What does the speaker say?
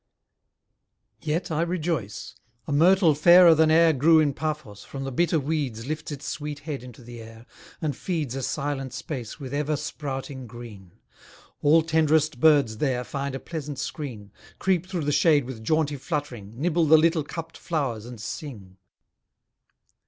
Yet I rejoice: a myrtle fairer than E'er grew in Paphos, from the bitter weeds Lifts its sweet head into the air, and feeds A silent space with ever sprouting green. All tenderest birds there find a pleasant screen, Creep through the shade with jaunty fluttering, Nibble the little cupped flowers and sing.